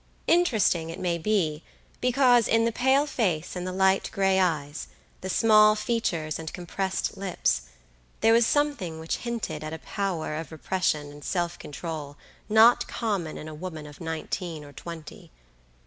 Interesting, it may be, because in the pale face and the light gray eyes, the small features and compressed lips, there was something which hinted at a power of repression and self control not common in a woman of nineteen or twenty.